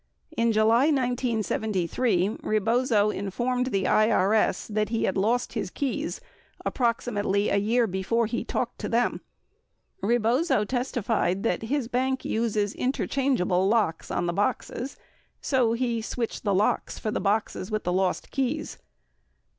79 In July 1973, Rebozo informed the IRS that he had lost his keys approximately a year before he talked to them. 80 Rebozo testi fied that his bank uses interchangeable locks on the boxes, so he switched locks for the boxes with the lost keys.